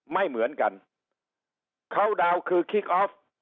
ไม่เหมือนกันเขาดาวน์คือคิกออฟ